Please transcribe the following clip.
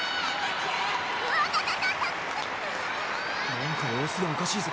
なんか様子がおかしいぞ。